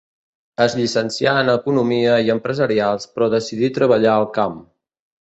Es llicencià en economia i empresarials però decidí treballar al camp.